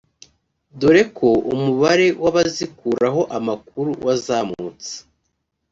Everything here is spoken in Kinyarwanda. dore ko umubare w’abazikuraho amakuru wazamutse